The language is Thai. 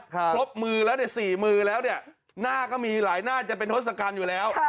ครบมือแล้วเนี่ย๔มือแล้วเนี่ยหน้าก็มีหลายหน้าจะเป็นทศกัณฐ์อยู่แล้ว